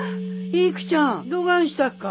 育ちゃんどがんしたっか？